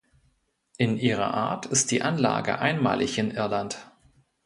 In ihrer Art ist die Anlage einmalig in Irland.